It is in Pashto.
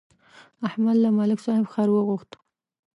احمد له ملک صاحب خر وغوښت.